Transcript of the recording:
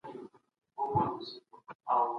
مسلمانان بايد د نورو عقايدو ته درناوی وکړي.